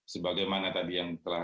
sebagaimana tadi yang telah